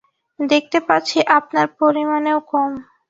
দেখতে পাচ্ছি আপনার পরিমাণেও কম।